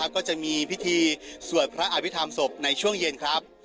ก็จะมีพิธีสวดพระอภิษฐรรมศพในช่วงเย็นครับ